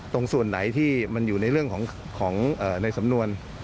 ตรงส่วนไหนที่มันอยู่ในเรื่องของในสำนวน